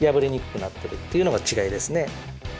っていうのが違いですね。